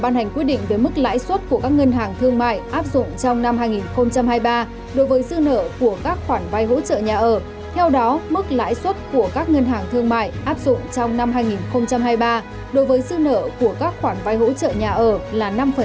lãi suất của các ngân hàng thương mại áp dụng đối với dư nợ của các khoản cho vai hỗ trợ nhà ở